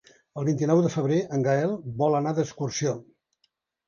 El vint-i-nou de febrer en Gaël vol anar d'excursió.